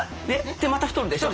でまた太るでしょ？